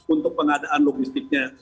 untuk pengadaan logistiknya